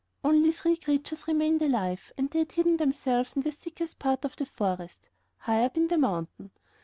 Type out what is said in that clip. Only three creatures remained alive, and they had hidden themselves in the thickest part of the forest, high up the mountain.